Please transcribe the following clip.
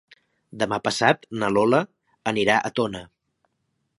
Demà passat na Lola anirà a Tona.